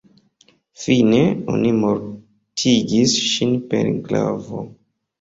Fine, oni mortigis ŝin per glavo.